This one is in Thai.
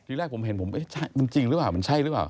ที่แรกผมเห็นผมมันจริงหรือเปล่ามันใช่หรือเปล่า